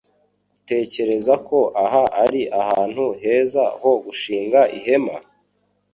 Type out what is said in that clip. Utekereza ko aha ari ahantu heza ho gushinga ihema?